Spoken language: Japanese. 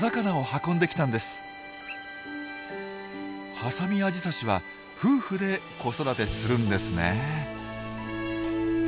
ハサミアジサシは夫婦で子育てするんですね。